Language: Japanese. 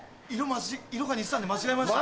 色が似てたんで間違えました。